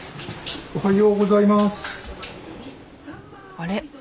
あれ？